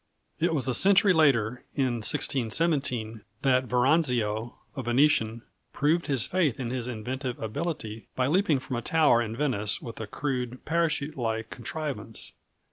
It was a century later, in 1617, that Veranzio, a Venetian, proved his faith in his inventive ability by leaping from a tower in Venice with a crude, parachute like contrivance.